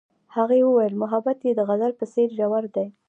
هغې وویل محبت یې د غزل په څېر ژور دی.